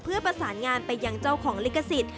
เพื่อประสานงานไปยังเจ้าของลิขสิทธิ์